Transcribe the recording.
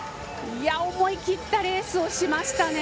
思い切ったレースをしましたね。